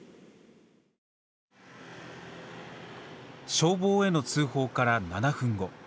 消防への通報から７分後。